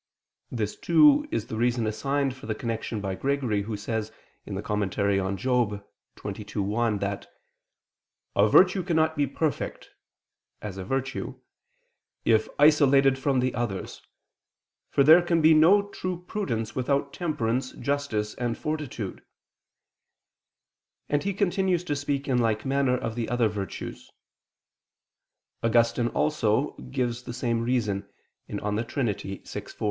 This, too, is the reason assigned for the connection by Gregory, who says (Moral. xxii, 1) that "a virtue cannot be perfect" as a virtue, "if isolated from the others: for there can be no true prudence without temperance, justice and fortitude": and he continues to speak in like manner of the other virtues (cf. Q. 61, A. 4, Obj. 1). Augustine also gives the same reason (De Trin. vi, 4).